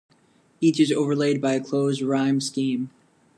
Each is overlaid by a closed rhyme scheme.